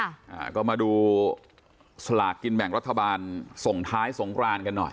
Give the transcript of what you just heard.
อ่าก็มาดูสลากกินแบ่งรัฐบาลส่งท้ายสงกรานกันหน่อย